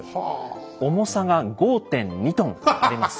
重さが５．２トンあります。